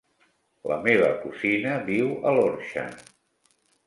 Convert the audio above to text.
La meva cosina viu a l'Orxa.